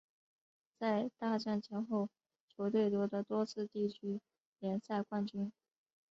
在大战前后球队夺得多次地区联赛冠军。